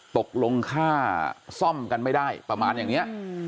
ตกลงค่าซ่อมกันไม่ได้ประมาณอย่างนี้